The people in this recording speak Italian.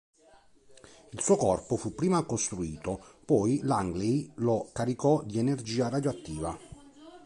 Il suo corpo fu prima costruito, poi Langley lo caricò di energia radioattiva.